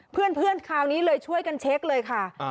เพื่อนคราวนี้เลยช่วยกันเช็คเลยค่ะ